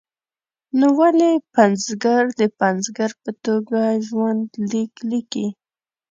نو ولې پنځګر د پنځګر په توګه ژوند لیک لیکي.